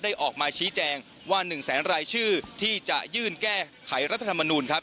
ออกมาชี้แจงว่า๑แสนรายชื่อที่จะยื่นแก้ไขรัฐธรรมนูลครับ